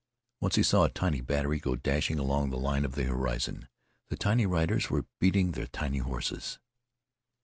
Once he saw a tiny battery go dashing along the line of the horizon. The tiny riders were beating the tiny horses.